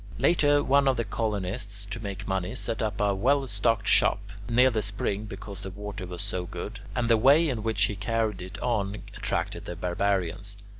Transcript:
Later, one of the colonists, to make money, set up a well stocked shop, near the spring because the water was so good, and the way in which he carried it on attracted the barbarians.